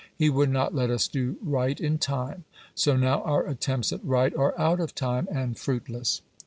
He would not let us do right in time, so now our attempts at right are out of time and fruitless.